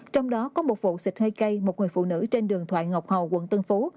trong đó có một vụ xịt hơi cây một người phụ nữ trên đường thoại ngọc hầu quận tân phú